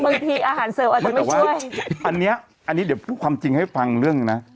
บางทีอาหารเสิร์ฟอาจจะไม่ใช่อันเนี้ยอันนี้เดี๋ยวพูดความจริงให้ฟังเรื่องนะ